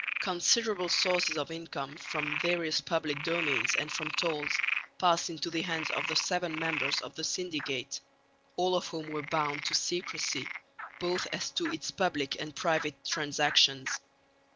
Considerable sources of income from various public domains and from tolls passed into the hands of the seven members of the Syndicate, all of whom were bound to secrecy, both as to its public and private transactions.